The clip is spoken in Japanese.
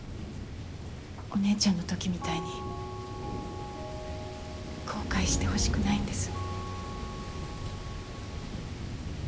お姉ちゃんの時みたいに後悔してほしくないんです。